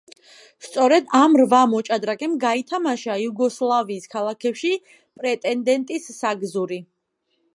სწორედ ამ რვა მოჭადრაკემ გაითამაშა იუგოსლავიის ქალაქებში პრეტენდენტის საგზური.